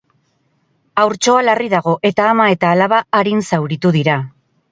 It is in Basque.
Haurtxoa larri dago, eta ama eta alaba arin zauritu dira.